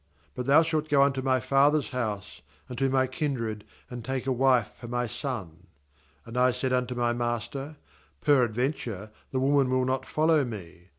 38But thou shalt go unto my father's house, and to my kindred, and take a wife for my son. 39And I said unto my master: Peradventure the woman will not follow me.